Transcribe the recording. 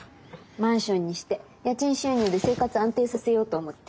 マンションにして家賃収入で生活安定させようと思って。